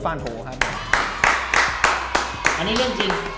อันนี้เรื่องจริง